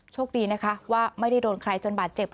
โชคดีนะคะว่าไม่ได้โดนใครจนบาดเจ็บ